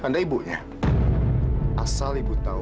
hai anda ibunya asal ibu tahu